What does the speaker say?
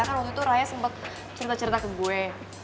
kan waktu itu raya sempat cerita cerita ke gue